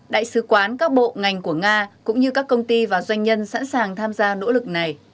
đại sứ quán các bộ ngành của nga cũng như các công ty và doanh nhân sẵn sàng tham gia nỗ lực này